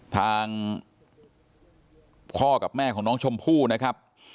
ทางพ่อกับแม่ของน้องชมพู่นะครับ